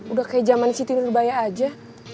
udah kayak zaman siti nurbaya aja